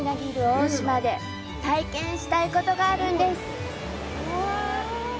大島で体験したいことがあるんです。